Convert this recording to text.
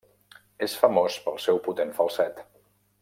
És famós pel seu potent falset.